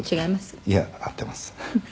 「いや合っています」